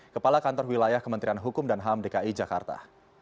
kepala kantor wilayah kementerian hukum dan ham dki jakarta